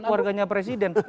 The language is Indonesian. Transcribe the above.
itu keluarganya presiden